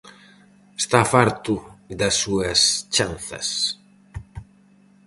Está farto das súas chanzas.